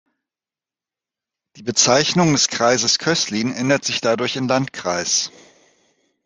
Die Bezeichnung des "Kreises" Köslin änderte sich dadurch in "Land"kreis.